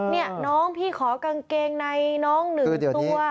นี่น้องพี่ขอกางเกงในน้อง๑ตัว